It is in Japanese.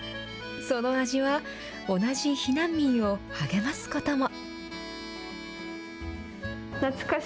その味は同じ避難民を励ますことも。